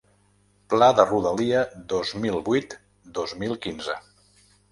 Pla de rodalia dos mil vuit-dos mil quinze.